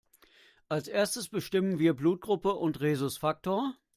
Als Erstes bestimmen wir Blutgruppe und Rhesusfaktor.